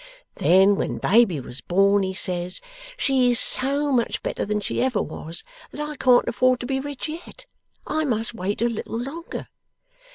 Then when baby was born, he says, "She is so much better than she ever was, that I can't afford to be rich yet. I must wait a little longer."